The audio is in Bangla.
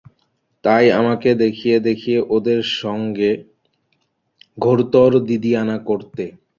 তাই আমাকে দেখিয়ে দেখিয়ে ওদের সঙ্গে ঘোরতর দিদিয়ানা করতে।